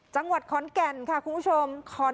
จังหวัดขอนแก่นค่ะคุณผู้ชม